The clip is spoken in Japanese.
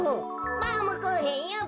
バウムクーヘンよべ。